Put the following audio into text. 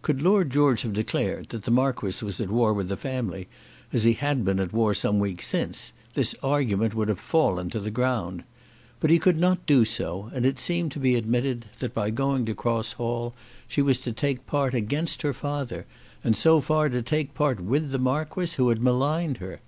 Could Lord George have declared that the Marquis was at war with the family as he had been at war some weeks since, this argument would have fallen to the ground. But he could not do so, and it seemed to be admitted that by going to Cross Hall she was to take part against her father, and so far to take part with the Marquis, who had maligned her.